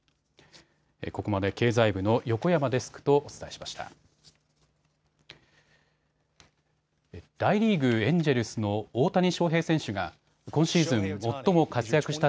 ここまで経済部の横山デスクとお伝えしました。